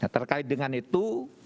terkait dengan itu